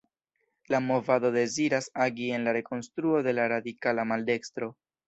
La movado deziras agi en la rekonstruo de la radikala maldekstro.